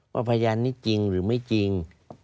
พยานนี้จริงหรือไม่จริง